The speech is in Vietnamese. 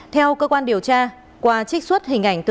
theo cơ quan điều tra qua trích xuất hình ảnh từ